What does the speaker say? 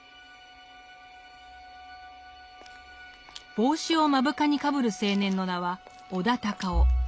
帽子を目深にかぶる青年の名は尾田高雄。